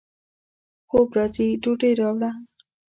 خوب راځي ، ډوډۍ راوړه